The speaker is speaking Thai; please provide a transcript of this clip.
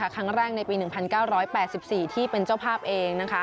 ครั้งแรกในปี๑๙๘๔ที่เป็นเจ้าภาพเอง